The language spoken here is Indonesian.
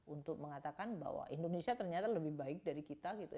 untuk mengatakan bahwa indonesia ternyata lebih baik dari kita gitu